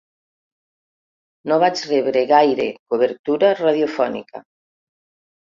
No vaig rebre gaire cobertura radiofònica